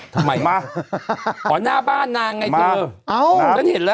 ทำไมล่ะหรอหน้าป้านางไงเธอคุณเห็นแล้ว